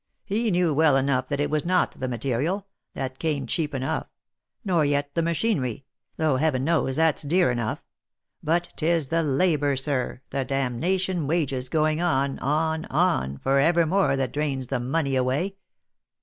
He knew well enough that it was not the material — that came cheap enough — nor yet the machinery, though Heaven knows that's dear enough ; but 'tis the labour, sir, the damnation wages going on, on, on, for evermore that drains the money away.